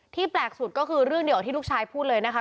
แปลกสุดก็คือเรื่องเดียวกับที่ลูกชายพูดเลยนะคะ